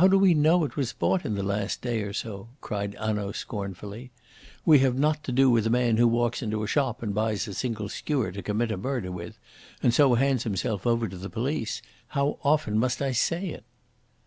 "How do we know it was bought in the last day or so?" cried Hanaud scornfully. "We have not to do with a man who walks into a shop and buys a single skewer to commit a murder with, and so hands himself over to the police. How often must I say it!"